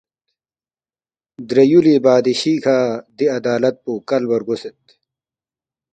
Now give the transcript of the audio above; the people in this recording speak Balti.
درے یُولی بادشی کھہ دی عدالت پو کلبا رگوسید